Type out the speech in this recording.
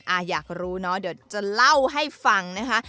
อยากรู้เนอะเดี๋ยวจะเล่าให้ฟังนะคะ